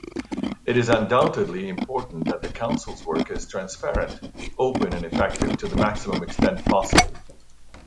It is undoubtedly important that the Council’s work is transparent, open and effective to the maximum extent possible.